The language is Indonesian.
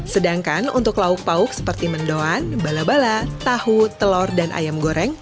sedangkan untuk lauk pauk seperti mendoan bala bala tahu telur dan ayam goreng